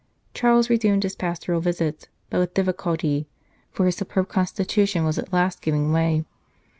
Charles resumed his pastoral visits, but with difficulty, for his superb constitution was at last giving way.